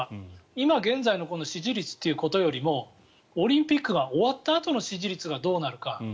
今現在の支持率ということよりもオリンピックが終わったあとの支持率がどうなるか。